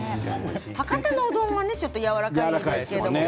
博多のうどんはちょっとやわらかいですけどね。